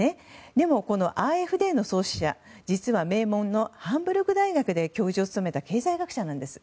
でもＡｆＤの創始者は実は名門のハンブルク大学で教授を務めた経済学者なんです。